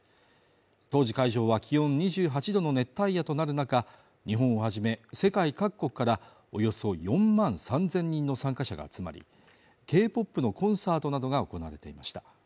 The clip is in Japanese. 当時、会場は気温２８度の熱帯夜となる中日本をはじめ世界各国からおよそ４万３０００人の参加者が集まりＫ−ＰＯＰのコンサートなどが行われていました